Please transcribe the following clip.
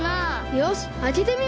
よしあけてみましょう。